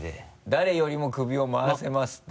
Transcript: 誰よりも首を回せますって？